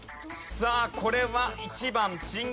さあこれは１番。